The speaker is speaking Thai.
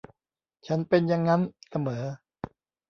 ฉันเป็นยังงั้นเสมอ